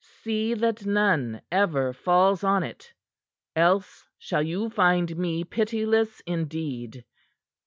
See that none ever falls on it, else shall you find me pitiless indeed.